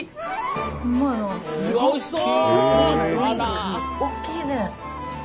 うわおいしそう！